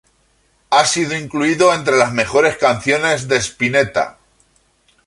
Ha sido incluido entre las mejores canciones de Spinetta.